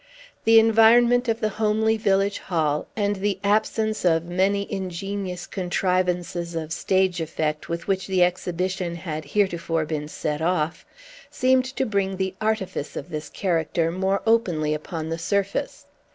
The environment of the homely village hall, and the absence of many ingenious contrivances of stage effect with which the exhibition had heretofore been set off, seemed to bring the artifice of this character more openly upon the surface.